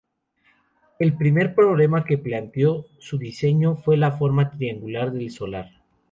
El primer problema que planteó su diseño fue la forma triangular del solar.